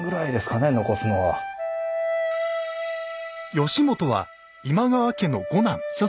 義元は今川家の五男。